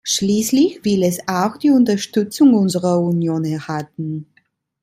Schließlich will es auch die Unterstützung unserer Union erhalten.